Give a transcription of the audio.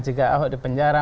jika ahok di penjara